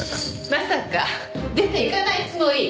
まさか出て行かないつもり？